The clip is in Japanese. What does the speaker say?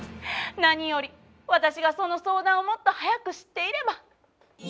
何より私がその相談をもっと早く知っていれば。